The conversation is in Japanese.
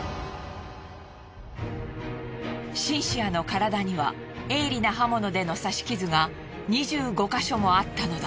シンシアの体には鋭利な刃物での刺し傷が２５カ所もあったのだ。